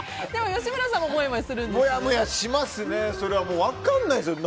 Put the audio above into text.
吉村さんももやもやするんですよね。